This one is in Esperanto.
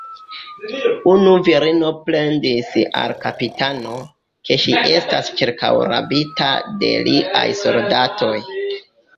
Unu virino plendis al kapitano, ke ŝi estas ĉirkaŭrabita de liaj soldatoj.